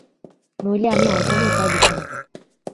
নইলে আমি আর কোনো উপায় দেখি নে।